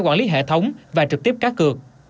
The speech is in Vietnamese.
quản lý hệ thống và trực tiếp cá cược